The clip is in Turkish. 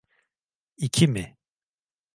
İki mi?